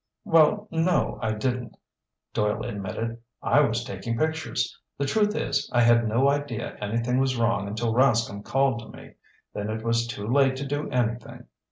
"Well, no, I didn't," Doyle admitted. "I was taking pictures. The truth is, I had no idea anything was wrong until Rascomb called to me. Then it was too late to do anything."